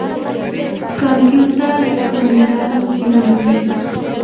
کمپيوټر سند جوړوي.